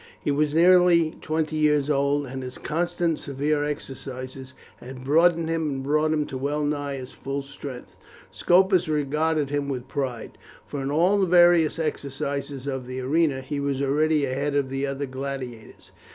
He was nearly twenty years old, and his constant and severe exercises had broadened him and brought him to well nigh his full strength. Scopus regarded him with pride, for in all the various exercises of the arena he was already ahead of the other gladiators.